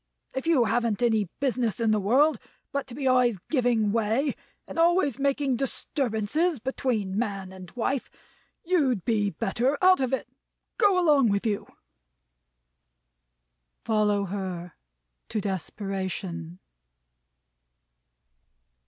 If you haven't any business in the world, but to be always giving way, and always making disturbances between man and wife, you'd be better out of it. Go along with you!" "Follow her! To desperation!"